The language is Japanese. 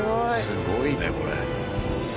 すごいねこれ。